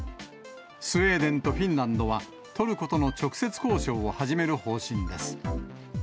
スウェーデンとフィンランドは、トルコとの直接交渉を始める方針です。